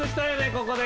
ここで。